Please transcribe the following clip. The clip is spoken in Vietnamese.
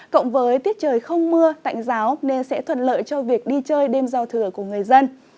cộng với tiết trời không mưa tạnh giáo nên sẽ thuận lợi cho việc đi chơi đêm giao thừa của người dân